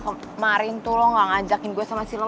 kemarin tuh lo gak ngajakin gue sama sila